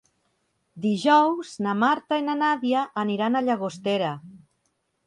Dijous na Marta i na Nàdia aniran a Llagostera.